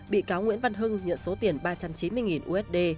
bị cáo nguyễn văn hưng nhận số tiền ba trăm chín mươi usd